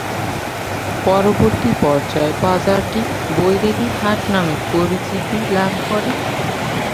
পরবর্তী পর্যায়ে বাজারটি বৈরাগী হাট নামে পরিচিতি লাভ করে।